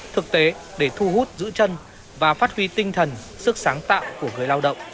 thực tế để thu hút giữ chân và phát huy tinh thần sức sáng tạo của người lao động